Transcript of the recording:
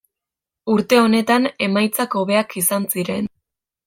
Urte honetan emaitzak hobeak izan ziren.